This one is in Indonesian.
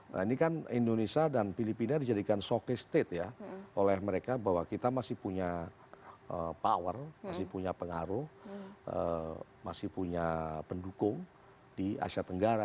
nah ini kan indonesia dan filipina dijadikan showcase state ya oleh mereka bahwa kita masih punya power masih punya pengaruh masih punya pendukung di asia tenggara